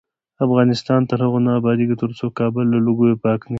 افغانستان تر هغو نه ابادیږي، ترڅو کابل له لوګیو پاک نشي.